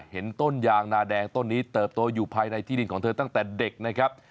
เห็นต้นยางนาแดงต้นนี้เติบโตอยู่ภายในที่ดินของเธอตั้งแต่เด็กนะครับ